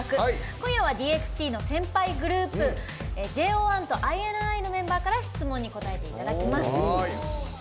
今夜はＤＸＴＥＥＮの先輩グループＪＯ１とＩＮＩのメンバーから質問に答えていただきます。